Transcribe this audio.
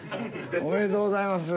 おめでとうございます。